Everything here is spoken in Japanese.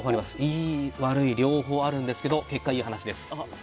いい、悪い、両方あるんですけど結果、いい話です。